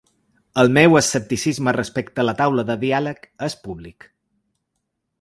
El meu escepticisme respecte de la taula de diàleg és públic.